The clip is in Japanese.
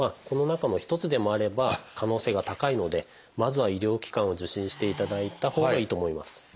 この中の一つでもあれば可能性が高いのでまずは医療機関を受診していただいたほうがいいと思います。